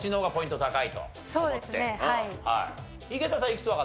はい。